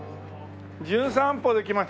『じゅん散歩』で来ました